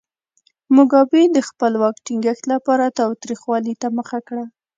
موګابي د خپل واک ټینګښت لپاره تاوتریخوالي ته مخه کړه.